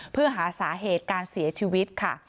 เพื่อหาสาเหตุการเสียชีวิตค่ะ